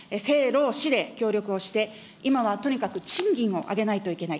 政労使で協力をして、今はとにかく賃金を上げないといけない。